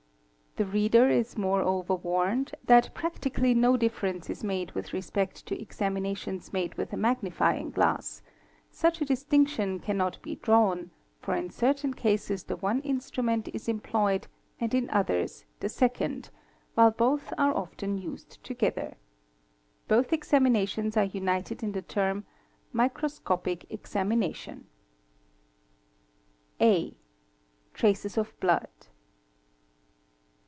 — The reader is moreover warned that practically no difference is made — with respect to examinations made with a magnifying glass; such a distinction cannot be drawn, for in certain cases the one instrument is employed and in others the second, while both are often used together. Both examinations are united in the term ' microscopic examination.' | 1 A. Traces of blood.